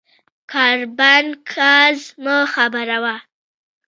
کاربن ګاز مه خپروه.